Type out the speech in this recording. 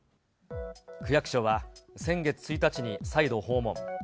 区役所は、先月１日に再度訪問。